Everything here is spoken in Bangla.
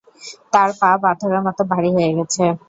তাঁর পা পাথরের মতো ভারি হয়ে গেছে।